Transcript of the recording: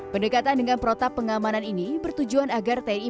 pendekatan dengan protap pengamanan ini bertujuan agar tni